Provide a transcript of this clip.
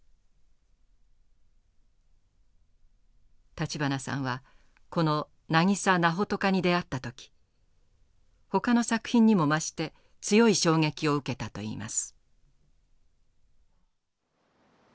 立花さんはこの「渚ナホトカ」に出会った時ほかの作品にも増して強い衝撃を受けたといいます。